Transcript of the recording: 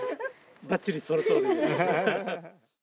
ばっちり、そのとおりです。